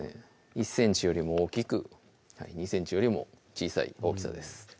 １ｃｍよりも大きく２ｃｍよりも小さい大きさです